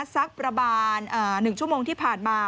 สักประมาณ๑ชั่วโมงที่ผ่านมา